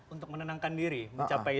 untuk menenangkan diri mencapai